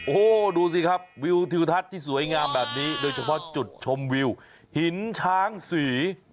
โอ้โหดูสิครับวิวทิวทัศน์ที่สวยงามแบบนี้โดยเฉพาะจุดชมวิวหินช้างสี